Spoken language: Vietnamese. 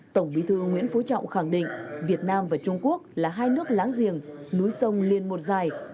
tổng bí thư nguyễn phú trọng khẳng định việt nam và trung quốc là hai nước láng giềng núi sông liên một dài